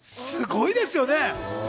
すごいですよね。